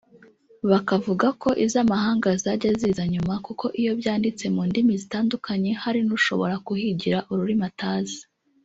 Bakavuga ko izamahanga zajya ziza nyuma kuko iyo byanditse mu ndimi zitandukanye hari n’ushobora kuhigira ururimi atazi